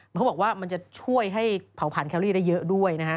เขาบอกว่ามันจะช่วยให้เผาผ่านแคลรี่ได้เยอะด้วยนะฮะ